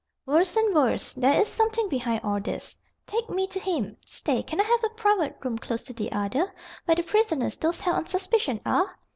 "Worse and worse. There is something behind all this. Take me to him. Stay, can I have a private room close to the other where the prisoners, those held on suspicion, are?